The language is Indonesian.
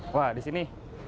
wah di sini